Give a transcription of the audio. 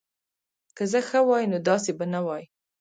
که زه ښه وای نو داسی به نه وای